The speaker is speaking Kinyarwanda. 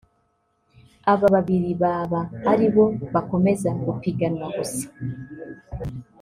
Aba babiri baba ari bo bakomeza gupiganwa gusa